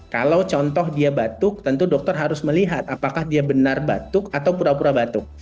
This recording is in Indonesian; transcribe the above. kalau contoh dia batuk tentu dokter harus melihat apakah dia benar batuk atau pura pura batuk